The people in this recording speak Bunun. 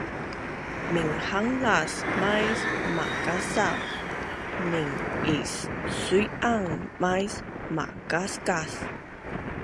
Minghanglas mais makasa; min-issuian mais makaskas